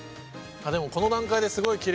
でもこの段階ですごいきれいですね。